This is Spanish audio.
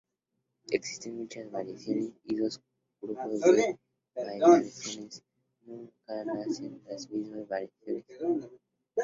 Existen muchas variaciones, y dos grupos de bailarines nunca hacen las mismas variaciones.